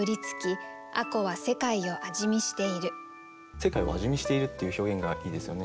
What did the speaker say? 「世界を味見している」っていう表現がいいですよね。